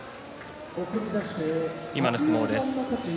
今の相撲です。